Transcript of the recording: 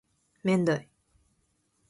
めんどい